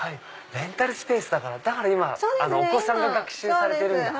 レンタルスペースだから今お子さんが学習されてるんだ。